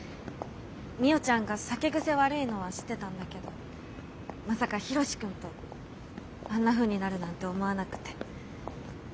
みよちゃんが酒癖悪いのは知ってたんだけどまさかヒロシ君とあんなふうになるなんて思わなくて。